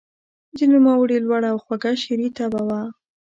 د نوموړي لوړه او خوږه شعري طبعه وه.